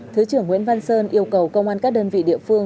thứ trưởng nguyễn văn sơn yêu cầu công an các đơn vị địa phương